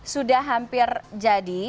sudah hampir jadi